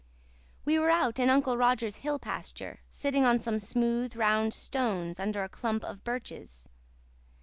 We were out in Uncle Roger's hill pasture, sitting on some smooth, round stones under a clump of birches.